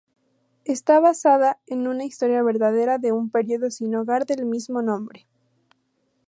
Está basada en una historia verdadera de un periódico sin hogar del mismo nombre.